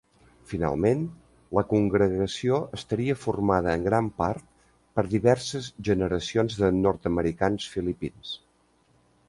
Finalment, la congregació estaria formada en gran part per diverses generacions de nord-americans filipins.